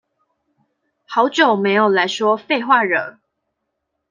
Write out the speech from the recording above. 好久沒有來說廢話惹